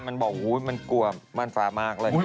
มันบอกมันกลัวม่านฟ้ามากเลย